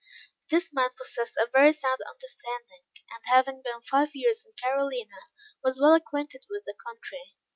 This man possessed a very sound understanding; and having been five years in Carolina, was well acquainted with the country.